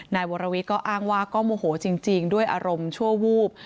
นายวรวิทย์ก็อ้างว่าก็โมโหจริงด้วยอารมณ์ชั่ววูบ